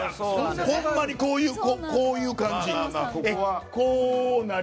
ほんまに、こういう感じ。